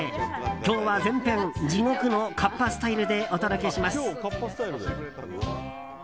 今日は全編、地獄のカッパスタイルでお届けします。